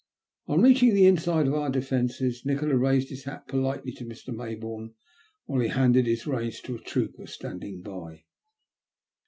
On reaching the inside of our defences, Nikola raised his hat politely to Mr. Mayboume, while he handed his reins to a trooper standing by.